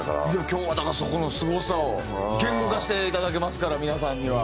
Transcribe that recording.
今日はだからそこのすごさを言語化していただけますから皆さんには。